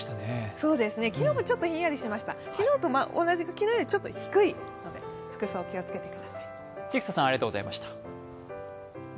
昨日もちょっとひんやりしましたが、昨日と同じか、昨日よりちょっと低いので服装気をつけてください。